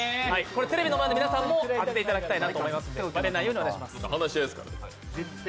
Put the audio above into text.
テレビの前の皆さんも当てていただきたいなと思いますので、バレないようにお願いします。